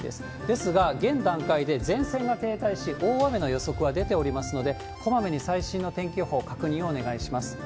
ですが、現段階で前線が停滞し、大雨の予測は出ておりますので、こまめに最新の天気予報、確認をお願いします。